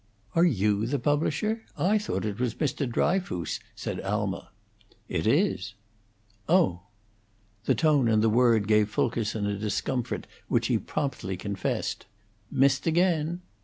"Are you the publisher? I thought it was Mr. Dryfoos," said Alma. "It is." "Oh!" The tone and the word gave Fulkerson a discomfort which he promptly confessed. "Missed again."